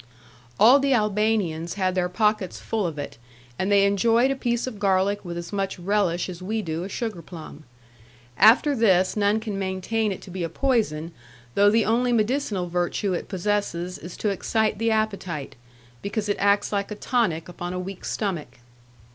All the Albanians had their pockets full of it, and they enjoyed a piece of garlic with as much relish as we do a sugar plum. After this none can maintain it to be a poison, though the only medicinal virtue it possesses is to excite the appetite, because it acts like a tonic upon a weak stomach.